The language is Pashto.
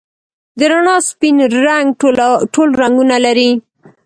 د رڼا سپین رنګ ټول رنګونه لري.